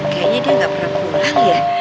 kayaknya dia nggak pernah pulang ya